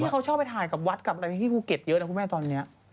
ค่ะเขาชอบไปทานกับวัดบริเวณภูเกศเยอะนะคุณแม่ตอนเรีย